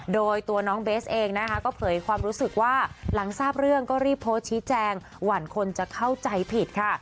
โดยตัวน้องเบสเองนะคะก็เผยความรู้สึกว่าหลังทราบเรื่องก็รีบโพสต์ชี้แจงหวั่นคนจะเข้าใจผิดค่ะ